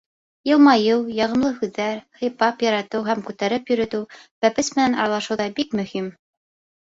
Йылмайыу, яғымлы һүҙҙәр, һыйпап яратыу һәм күтәреп йөрөтөү бәпес менән аралашыуҙа бик мөһим.